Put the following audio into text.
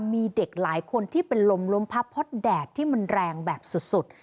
มีเด็กหลายคนที่เป็นลมลมพับเพราะแดดที่มันแรงแบบสุด